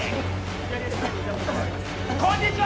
こんにちは！